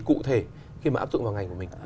cụ thể khi mà áp dụng vào ngành của mình